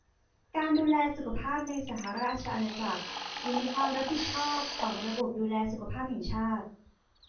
การดูแลสุขภาพในสหราชอาณาจักรอยู่ในความรับผิดชอบของระบบดูแลสุขภาพแห่งชาติ